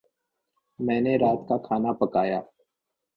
मैंने रात का खाना पकाया।